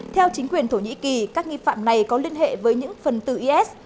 theo chính quyền thổ nhĩ kỳ các nghi phạm này có liên hệ với những phần từ is